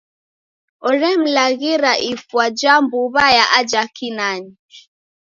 Oremlaghira ifwa ja mbu'wa ya aja Kinani.